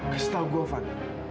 kasih tau gue van